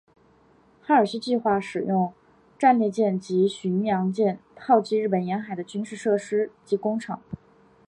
哈尔西计划使用战列舰及巡洋舰炮击日本沿海的军事设施及工厂。